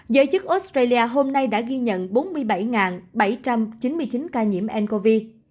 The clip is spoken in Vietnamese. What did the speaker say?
giới chức australia hôm nay đã ghi nhận bốn mươi bảy bảy trăm chín mươi chín ca nhiễm ncov